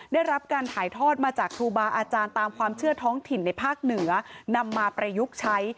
ได้รับการถ่ายทอดมาจากครูบาอาจารย์ตามความเชื่อท้องถิ่นในภาคเหนือนำมาประยุกต์ใช้